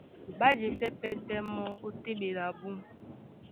Ɓá jesɛ́ pɛ́tɛ́ mɔ́ ó téɓedi abú.